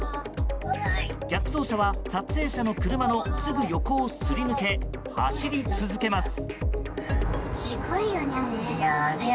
逆走車は撮影者の車のすぐ横をすり抜け走り続けます。